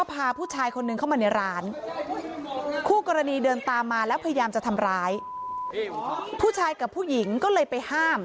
ภัยดำอ่ะนะ